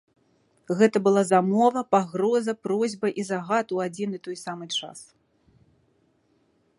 Гэта была замова, пагроза, просьба і загад у адзін і той самы час.